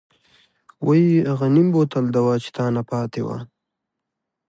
وۍ اغه نيم بوتل دوا چې تانه پاتې وه.